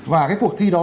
và cái cuộc thi đó